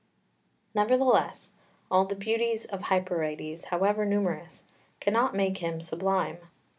4 Nevertheless all the beauties of Hyperides, however numerous, cannot make him sublime.